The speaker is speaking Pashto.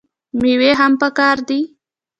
میوې هم پکار دي.